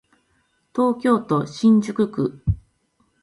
東京都新宿区